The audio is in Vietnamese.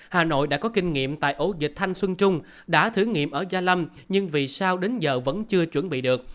hà nội đã có kinh nghiệm tại ổ dịch thanh xuân trung đã thử nghiệm ở gia lâm nhưng vì sao đến giờ vẫn chưa chuẩn bị được